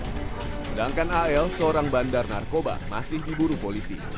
sedangkan al seorang bandar narkoba masih diburu polisi